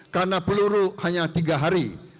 karena peluru hanya tiga hari